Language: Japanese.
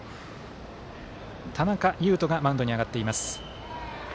田中優飛がマウンドに上がっています。